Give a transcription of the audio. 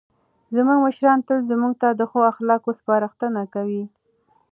زموږ مشران تل موږ ته د ښو اخلاقو سپارښتنه کوي.